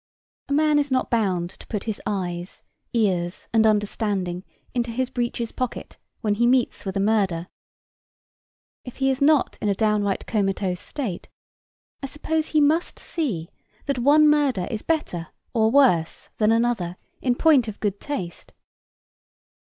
A man is not bound to put his eyes, ears, and understanding into his breeches pocket when he meets with a murder. If he is not in a downright comatose state, I suppose he must see that one murder is better or worse than another in point of good taste.